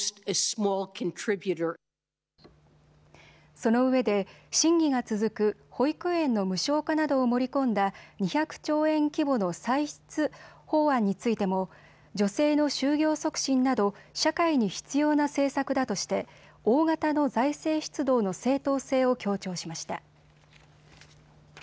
そのうえで審議が続く保育園の無償化などを盛り込んだ２００兆円規模の歳出法案についても女性の就業促進など社会に必要な政策だとして大型の財政出動の正当性を強調しました。